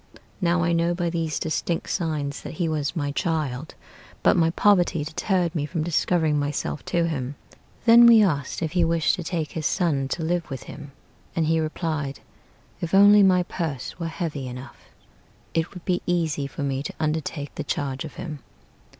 Now I knew by these distinct signs that he was my child, But my poverty deterred me from discovering myself to him." Then we asked if he wished to take his son to live with him; And he replied, "If only my purse were heavy enough, It would be easy for me to undertake the charge of him."